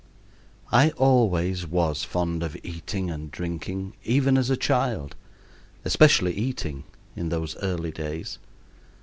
I always was fond of eating and drinking, even as a child especially eating, in those early days.